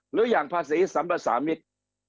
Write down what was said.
หรืออย่างภาษีสัมภาษามิตร